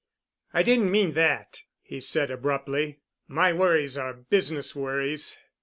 "I didn't mean that," he said abruptly. "My worries are business worries."